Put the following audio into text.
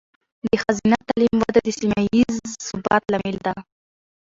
د ښځینه تعلیم وده د سیمه ایز ثبات لامل ده.